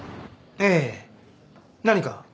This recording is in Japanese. ええ。何か？